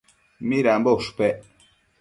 Midambo ushpec